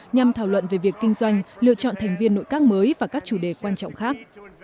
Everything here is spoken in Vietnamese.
nhằm thảo luận về việc kinh doanh lựa chọn thành viên nội các mới và các chủ đề quan trọng khác